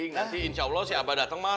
nanti insya allah si abah datang mas